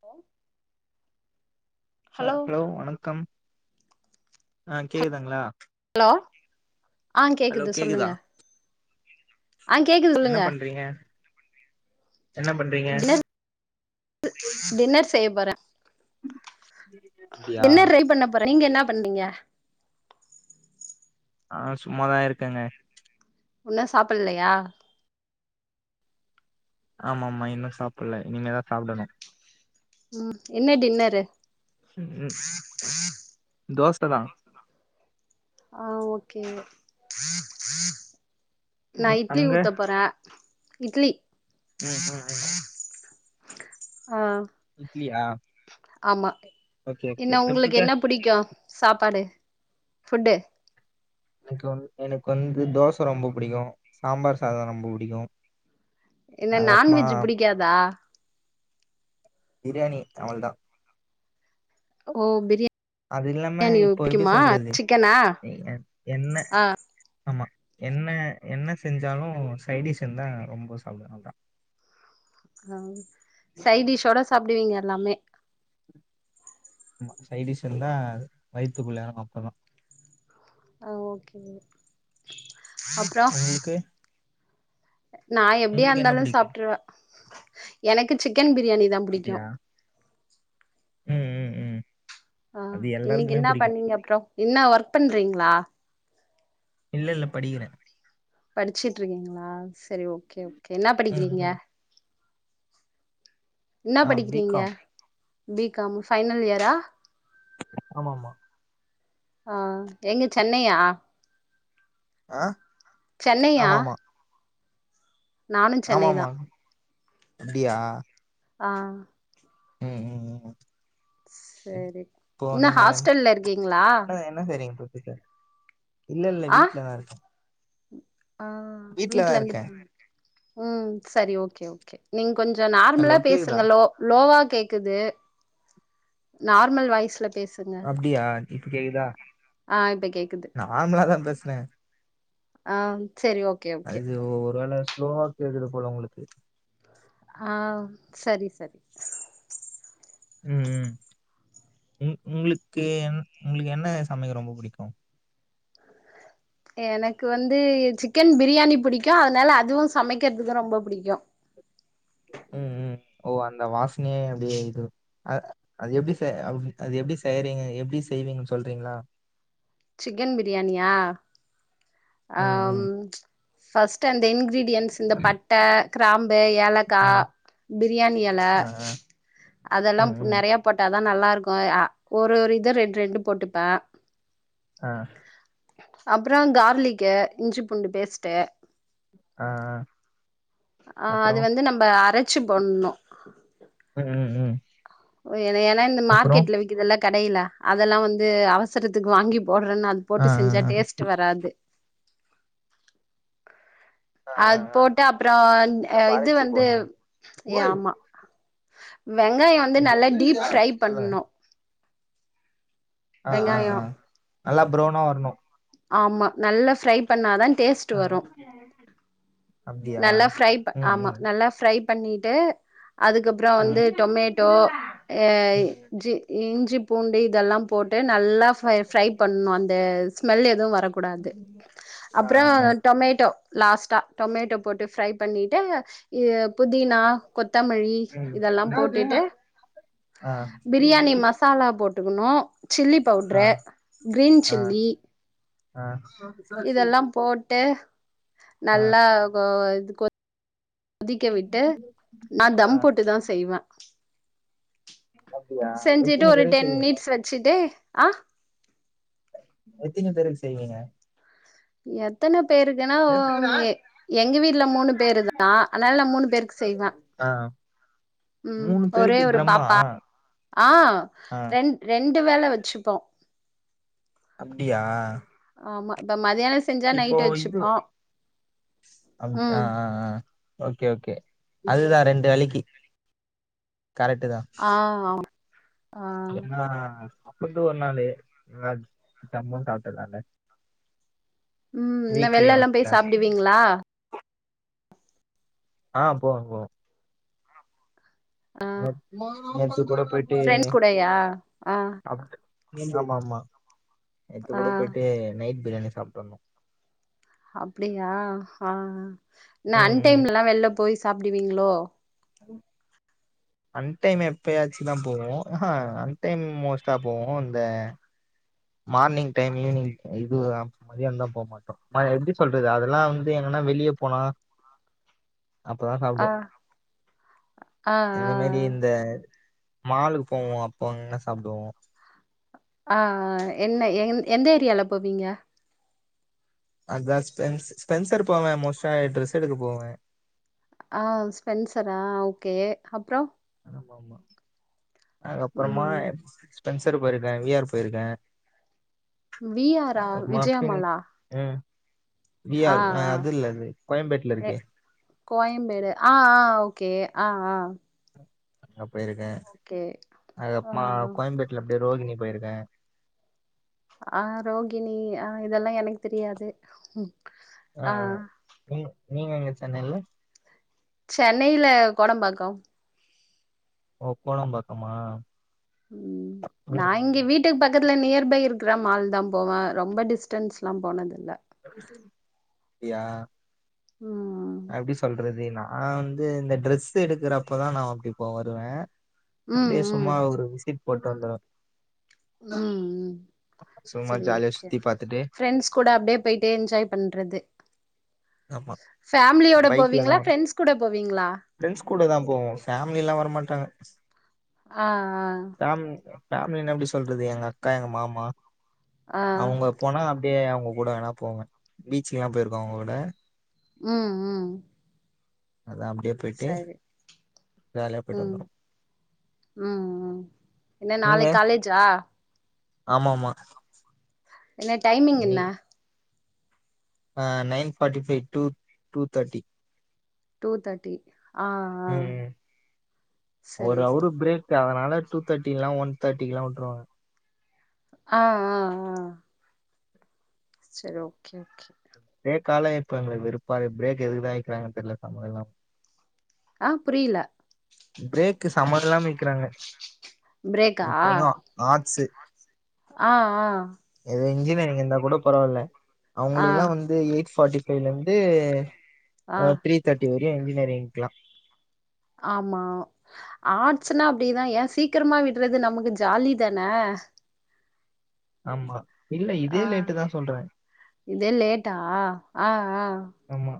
Hello அ hello வணக்கம் ஆ கேக்குதுங்ளா ஓ ஆ கேக்குது சொல்லுங்க கேக்குதா ஆ கேக்குது என்ன சொல்லுங்க பண்றீங்க என்ன பண்றீங்க டின்னர் டின்னர் செய்யப்போறே அப்டியா டின்னர் ரெடி பண்ணப்போறே நீங்க என்னா பண்ணீங்க ஆ சும்மாதா இருக்கேங்க உன்னு சாப்ல்லையா ஆமா ஆமா இன்னு சாப்ல்ல இனிமேதா சாப்டணு ம் என்ன டின்னரு ம் ம் தோசதா ஆ ஓகே நா ம் இட்லி அங்க ஊத்த போறே இட்லி ம் ம் ம் ஆ இட்லியா ஆமா ஓகே ஓகே என்ன தொட்டுக்க உங்களுக்கு என்ன புடிக்கு சாப்பாடு ஃபுட் எனக்கு வந் எனக்கு வந்து தோச ரொம்ப புடிக்கு சாம்பார் சாதோ ரொம்ப புடிக்கு என்ன அதுக்கப்மா நான்வெஜ் பிடிக்காதா பிரியாணி அவளதா ஓ பிரியா அது இல்லாம இப்போ எப்டி சொல்றது சிக்கனா இல்ல என்ன ஆமா என்ன என்ன செஞ்சாலு சைடிஷ் இருந்தா ரொம்ப சாப்டுவே அவ்ளதா ஆ சைடிஷ்ஷோட சாப்டுவீங்க எல்லாமே ஆமா சைடிஷ் இருந்தா வயித்துக்குள்ள எறங்கு அப்பதா ஆ ஓகே ஓகே அப்றோ உங்களுக்கு நா எப்டியா உங்களுக்கு என்ன இந்தாலு பிடிக்கு சாப்ட்ருவ எனக்கு சிக்கன் பிரியாணி தா புடிக்கு அப்டியா ம் ம் ம் ஆ அது இன்னக்கி எல்லாருக்குமே என்னா பிடிக்கு பண்ணீங்க அப்றோ என்னா ஒர்க் பண்றீங்ளா இல்லல்ல படிக்கிற படிச்சிட்ருக்கீங்ளா சரி ஓகே ஓகே என்னா ம் படிக்கிறீங்க ம் என்னா ஆ பி படிக்கிறீங்க காம் பி காம் ஃபைனல் இயரா ஆமாமா ஆ எங்க சென்னையா ஆ சென்னையா ஆமாமா நானு சென்னை ஆமாமா தா அப்டியா ஆ ம் ம் ம் சேரி இப்போ என்ன நீங்க ஹாஸ்டல்ல இருக்கீங்ளா என்ன என்ன செய்றீங்க இல்ல இல்லல்ல ஆ வீட்லதா இருக்க ஆ வீட்லந்து இருக்கே ம் சரி ஓகே ஓகே நீங் கொஞ்சொ ஹலோ நார்மலா கேக்குதா பேசுங்க லோ லோவா கேக்குது நார்மல் வாய்ஸ்ல பேசுங்க அப்டியா இப்ப கேக்குதா ஆ இப்ப கேக்குது நார்மலா தா பேசுற ஆ செரி ஓகே ஓகே அது ஒ ஒரு வேல ஸ்லோவா கேக்குது போல உங்களுக்கு ஆ சரி சரி ம் ம் ம் உங்களுக்கு என் உங்களுக்கு என்ன சமைக்க ரொம்ப புடிக்கு எனக்கு வந்து சிக்கன் பிரியாணி புடிக்கு அதனால அதுவு சமைக்கற்துக்கு ரொம்ப புடிக்கு [inaudible] ம் ம் ஓ அந்த வாசனையே அப்டியே இது அ அது எப்டி செ அவ்ரு அது எப் எப்டி செய்றீங்க எப்டி செய்வீங்கன் சொல்றீங்ளா சிக்கன் பிரியாணியா ம், ம். அம் ஃப்ஸ்ட் அந் இன்ங் கிரீடியன்ஸ் இந்த பட்ட கிராம்பு ஏலக்கா ஆ, பிரியாணி எல ஆ, ஆ. அதெல்லாம் ம், பு ம். நெறைய போட்ட தா நல்லா இருக் ருக்குயா ஒரு ஒரு இத ரெண்டு ரெண்டு போட்டுப்பே ஆ அப்றோ கார்லிக்கு இஞ்சி பூண்டு பேஸ்ட்டு ஆ ஆ ஆ அப்றோ அது வந்து நம்ம அரைச்சு போட்ணு ம் ம் ம் னு ஏனா இந்த அப்புறம்? மார்க்கெட்ல விக்கிதுல்ல கடையில அதெல்லா வந்து அவசரத்துக்கு வாங்கிப் போட்றேன்னு அது ஆ, போட்டு ஆ, செஞ்சா ஆ. டேஸ்ட்டு வராது ஆ, ஆ, அது ஆ. போட்டு அப்றோ அ நம்ம இது அரைச்சு வந்து போடணுமா? ஏ ஓய்! ஆமா வெங்காய வந்து எது? நல்லா டீப் இருக்குதா? ஃப்ரை சொல்லுங்க. பண்ணு ஆ ஆ ஆ நல்லா ப்ரௌனா வரணு ஆமா நல்லா ஃப்ரை பண்ணாதான் டேஸ்ட்டு ஆ. வரு அப்படியா? நல்லா ஃப்ரைப் ம், ஆமா ம். நல்லா ஃப்ரை பண்ணிட்டு அதுக்கப்ற ஆ. ம், வந்து டொமேட்டோ ஏய் ம். ஜி இஞ்சிப் பூண்டு இதெல்லா போட்டு நல்லா ஃபை ஃப்ரை பண்ணனு அந்த ஸ்மெல் எது வரக்கூடாது ஆ, ஆ, அப்றோ ஆ. டொமேட்டோ ஒ லாஸ்ட்டா டொமேட்டோ போட்டு ஃப்ரை பண்ணிட்டு இய புதினா கொத்தமல்லி ம். இதெல்லா போட்டுட்டு பிரியாணி ம். மசாலா போட் ட்டுக்கணு சில்லி ஆ, ஆ, பவுட்ரு க்ரீன் ஆ. சில்லி ஆ இதெல்லா போட்டு நல்லா ஆ கொ இது கொ திக்க விட்டு நா தம் போட்டு தா செய்வ அப்டியா செஞ்சுட்டு எத்தினி ஒரு பேருக்கு டென் செய்வீங்க மினிட்ஸ் வச்சுட்டு ஆ எத்தின பேருக்கு செய்வீங்க எத்தனப் பேருக்குனா ஓம் எ எங்க வீட்ல மூணு பேரு தா அதனால நா மூணு பேருக்கு செய்வ [inaudible] ம் மூணு ஒரே பேருக்கு ஒரு ட்ரம்மா பாப்பா ஆ ஆ ரெண் ரெண்டு வேள வச்சுப்போ அப்டியா ஆமா இப்ப மதியான செஞ்சா இப்போ நைட்டு இது வச்சுப்போ அப் ஆ ம் ஆ ஆ ஓகே ஓகே அதுதா ரெண்டு வேளக்கி ஆ ஆ ஏனா அப்பருந்து ஒருநாளு நா ஜம்முன் சாப்பட்டதால ம் இன்ன வெள்லலா போய் சாப்டுவீங்ளா ஆ போவோ போவோ ஆ நேத் நேத்து கூட போயிட்டு ஃப்ரெண்ட்ஸ் கூடயா ஆ சாப்ட்டு ஆமாம்மா நேத்து ஆ கூட போயிட்டு நைட் பிரியாணி சாப்ட்டு வந்தோ அப்டியா ஹா என்ன ம் அன் ம் டைம்லலா வெள்ல போய் சாப்டுவீங்ளோ ம் அன் டைம் எப்பயாச்சும் தா போவோம் அஹா அன் டைம் மோஸ்டா போவோ இந்த மார்னிங் டைம் ஈவினிங் இது மதியானம் தா போமாட்டோ எப்டி சொல்றது அதெல்லா வந்து எங்கனா வெளிய போனா அப்பதா ஆ சாப்டுவோ ஆ ஆ இந்த மாரி ஆ இந்த மாலுக்கு போவோ அப்போ அங்க சாப்புடுவோ ஆ ஆ என்ன என் எந்த ஏரியால போவீங்க அதான் ஸ்பென்ஸ் ஸ்பென்சர் போவே மோஸ்ட்டா ட்ரெஸ் எடுக்க போவே அ ஸ்பென்சரா ஓகே அப்றோ ஆமா ஆமா அதுக்கப்பறமா ம் ஸ்பென்சர் போயிருக்கே வி ஆர் போயிருக்கே வி ஆரா விஜயமாலா [unintelligible] ம் வி ஆர் ஆ அது இல்ல அது கோயம்பேட்ல எ இருக்கே கோயம்பேடு ஆ ஆ ஓகே ஆ ஆ அங்க போயிருக்கே ஓகே ஆ அதுகப்மா கோயம்பேட்டுல அப்டியே ரோகிணி போயிருக்கே அ ரோகிணி அ இதெல்லா எனக்கு தெரியாது அ ஆ அ நீங் நீங்க எங்க சென்னைல சென்னையில கோடம்பாக்கோ ஓ கோடம்பாக்கமா ம் நா ம் இங்க வீட்டுக்கு பக்கத் துல நியர் பை இருக்குற மால் தா போவே ரொம்ப டிஸ்டன்ஸ்லா போனதில் அப்டியா ம் எப்டி சொல்றது அது நா வந்து இந்த ட்ரெஸ் எடுக்கறப்பதா நா அப்டி போ வருவே ம் அப்டியே சும்மா ம் ஒரு விசிட் போட்டு வந்துருவே ம் ம் சும்மா சேரி ஜாலியா ஒகே சுத்தி பார்த்துட்டு ஃப்ரண்ட்ஸ் கூட அப்டியே போயிட்டே என்ஜாய் பண்றது ஆமா ஃபேமிலியோட போவீங்களா ஃப்ரெண்ட்ஸ் கூட போவீங்களா ஃப்ரண்ட்ஸ் கூட தா போவோ ஃபேம்லிலா வரமாட்டாங்க அ ஃபேம் ஃபேமிலி எப்டி சொல்றது எங்க அக்கா எங்க மாமா ஆ ஆ அவுங்க போனா அப் டியே அவுங்க கூட வேணா போவே பீச்சுக்கெல்லா போயிருக்கோ அவுங்க கூட ம்ம் அதா அப்டியே போயிட்டு வேலையா போயிட்டு ம் வந்துருவோ ம் ம் என்ன நாளைக் காலேஜா ஆமாமா என்ன டைமிங் என்னா ஆ nine forty five two two thirty two thirty ஆ ஆ ம் சரி ஒரு அவரு சரி பிரேக்கா அதனால டூ தேர்ட்டிக்லா ஒன் தேர்டிக்லா உட்டுருவாங்க ஆ ஆ ஆ சேரி ஓகே ஓகே காலைய பாருங்களே வெறுப்பாவே பிரேக் எதுக்குதா வெக்குறாங்குன் சம்மதோ இல்லாம அ புரியல பிரேக்கு சமதமில்லாம வெக்கிறாங்க பிரேக்கா இத்தினைக்கு ஆட்ஸ் ஆ ஆ ஏதோ இன்ஜினியரிங் இருந்தா கூட பரவால்ல ஆ அவுங்களுக்குல்லா வந்து எயிட் ஃபார்ட்டி ஃபைவ்லருந்து ஆ அ த்ரீ தேர்ட்டி வரையு இன்ஜினியரிங்லா ஆமா ஆட்ஸ்னா அப்டிதா ஏயா சீக்கிரமா விட்றது நமக்கு ஜாலி தானே ஆ ஆமா இல்ல ஆ இதே லேட்டு தா சொல்றே இதே லேட்டா ஆ ஆ ஆமா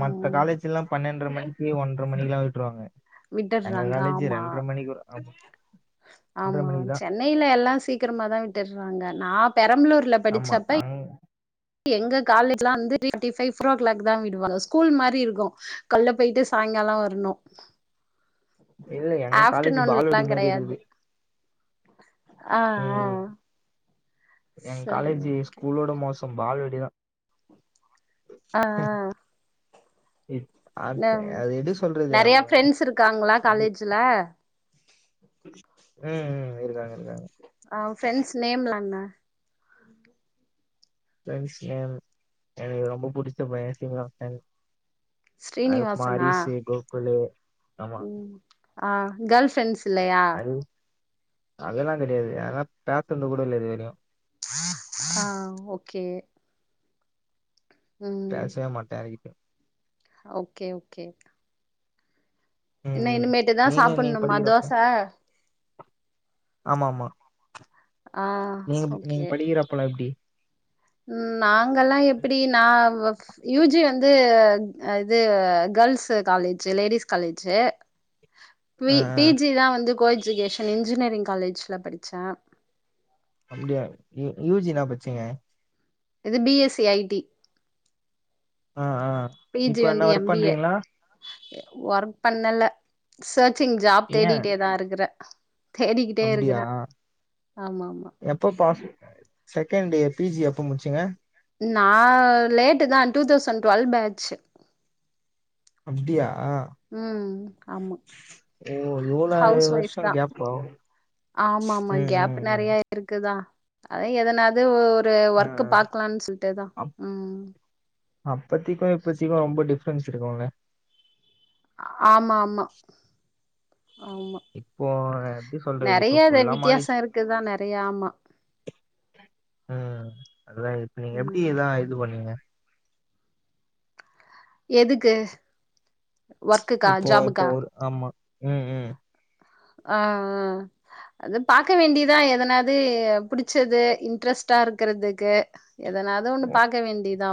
மத்த காலேஜ் எல்லா பன்னெண்டரை மணிக்கு ஒன்ரை மணிக்கெல்லா விட்டுருவாங்க எங்க விட்டுறாங்க காலேஜி ஆமா ரெண்டர மணிக்கு அ ஆமா சென்னையில எல்லா சீக்கிரமாதா விட்டுறாங்க நா பெரம்பலூர்ல ஆமா படிச்சப்ப அங் எங்க காலேஜ்ல வந்து திரிப்பீப்டி ஃவை போரோ கிளாக் தா விடுவாங்க ஸ்கூல் மாரி இருக்கு கால்ல போயிட்டு சாய் காலோ வரணு இதுல எங்க காலேஜ் ஆஃப்டர்நூன்லா பால்வாடி மாரி கெடையாது இருக்குது ஆ ஆ எ சரி காலேஜி ஸ்கூலோட மோசோ பால்வாடிதா ஆ ஆ அது நம் அது எப்டி சொல்றது நெறையா அவங்க பிரெண்ட்ஸ் இருக்காங்களா இது காலேஜ்ஜுல ம் ம் இருக்காங்க இருக்கா ஆ ஃரெண்ட்ஸ் நேம்லா என்ன ஃபிரண்ட்ஸ் நேம் எனக்கு ரொம்ப புடிச்ச பைய சீனிவாசன் அது கப்பமா அரிஸ்சு கோக்குலு உம் ஆ கேள் ஃபிரெண்ட்ஸ் இல்லையா அதல்லா கிடையாது அதெல்லா பேசன்து கூட இல்ல இது வரையு ஆ ஓக்கே பேசவே மாட்டே யார்கிட்டேயு ஓக்கே ஓக்கே ம் ம் நீங்க நீங்க சாப்புட்ணுமா தோச படிக்குறப்ப ஆமா ஆமா ஆ நீங் நீங்க படிக்கிறப்போலா எப்புடி ம் நாங்கல்லா எப்பிடி நா வவ் யூஜி வந் து இது girls college ladies college P ஆ ஆ பி ஜி தா வந்து கோ எஜிகேஷன் இன்ஜினியரிங் காலேஜ்ல படிச்ச அப்படியா யூ யூ ஜி என்னா படிச்சீங்க இது B S C I T ஆ ஆ பி இப்ப என்ன வர்க் பண்றீங்களா வர்க் பண்ணல சர்ச்சிங் ஜாப் தேடிட்டே தா இருக்குற அப்படியா ஆமா ஆமா எப்ப pass out [unintelligible] second P G எப்ப முடிச்சீங்க நா லேட்டு தா டு தௌசண் டுவெல் பேட்சு அப்டியா ம் ஆமா ஓ! இவ்ளோ ஹவுஸ் ஒய்ப் வருஷம் தா கேப்பா? ஆமா ஆமா ம், கேப் ம், ம். நெறைய இருக்குதா அதா எதனாவது ஒ ஒரு ஆ, வர்க்கு ஆ. பாக்கலானு சொல்லிட்டுதா உம் அப்பதிக்கு இப்பத்திக்கு ரொம்ப டிஃபரென்ஸ் இருக்குல ஆமா ஆமா ஆமா இப்போ எப்டி சொல்றது? இப்போ நெறைய அத ஃபுல்லா மாறி வித்தியாசோ இருக்குதா நெறையா ஆமா ம் அததா இப்ப நீங்க எப்பிடி ம் இத இது பண்ணுவீங்க எதுக்கு ம்ச் ஒர்க்குக்கா இப்போ இப்போ ஜாபுக்கா ஒரு ஆமா உம் உம் ஆ ஆ அது பாக்க வேண்டியதா எதனாவது புடிச்சது இன்ட்ரெஸ்டா இருக்குறதுக்கு எதனாவது ஒன்னு ஒ பாக்க வேண்டியதுதா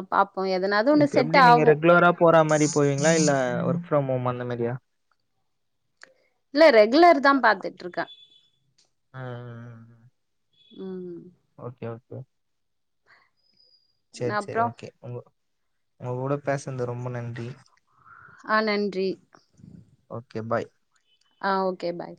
இப்ப எப்பிடி நீங்க ரெகுலரா போற மாரி போவீங்களா இல்ல ஒர்க் ஃப்ரம் ஹோம் ஆ ந்த மாரிய இல்ல ரெகுலர் தா பாத்துட்டுருக்க அ ம் ஓகே ஓகே செரி செரி அப்றோ ஓகே உங்க உங்க கூட பேசுன்து ரொம்ப நன்றி ஆ நன்றி ஓகே பாய் அ ஓகே பாய்